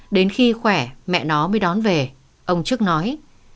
đến khi khỏe mẹ nó mới đón về ông trước nói